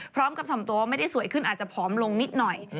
พร้อมกับทำตัวว่าไม่ได้สวยขึ้นอาจจะผอมลงนิดหน่อย